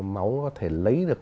máu có thể lấy được